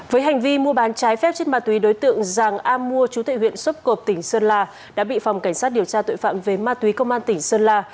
với hành vi mua bán trái phép chất ma túy đối tượng giàng a mua chú tệ huyện xuất cộp tỉnh sơn la đã bị phòng cảnh sát điều tra tội phạm về ma túy công an tỉnh sơn la